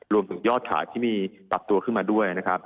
รวมถึงยอดขาดที่มีปรับตัวขึ้นมาด้วย